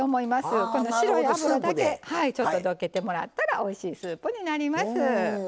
白い脂だけどけてもらったらおいしいスープになります。